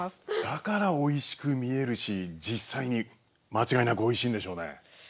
だからおいしく見えるし実際に間違いなくおいしいんでしょうね。